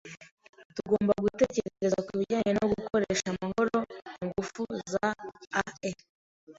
Tugomba gutekereza kubijyanye no gukoresha amahoro ingufu za ae.